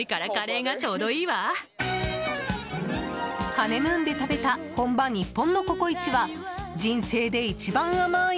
ハネムーンで食べた本場日本のココイチは人生で一番甘ーい